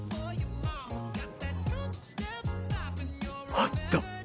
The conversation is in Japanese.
あった！